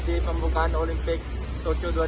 di pembukaan olimpik tokyo dua ribu dua puluh